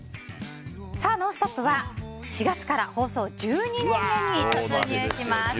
さあ「ノンストップ！」は４月から放送１２年目に突入します。